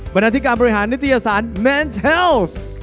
บรรณาธิการบริหารนิตยาศาสตร์แมนซ์แฮลฟ